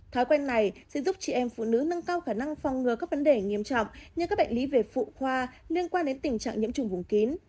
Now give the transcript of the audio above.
thói quen này sẽ giúp chị em phụ nữ nâng cao khả năng phòng ngừa các vấn đề nghiêm trọng như các bệnh lý về phụ khoa liên quan đến tình trạng nhiễm trùng vùng kín